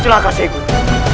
celaka sheikh buruh